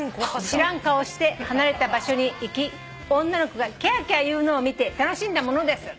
「知らん顔をして離れた場所に行き女の子がキャーキャー言うのを見て楽しんだものです」